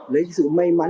lấy sự may mắn